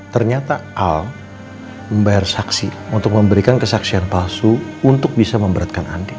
ternyata al membayar saksi untuk memberikan kesaksian palsu untuk bisa memberatkan andi